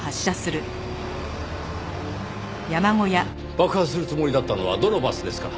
爆破するつもりだったのはどのバスですか？